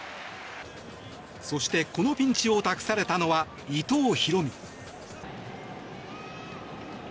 そしてこのピンチを託されたのは伊藤大海。